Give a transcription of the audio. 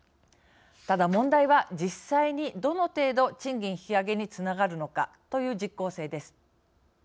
ただ問題は実際にどの程度賃金引き上げにつながるのかという実効性です。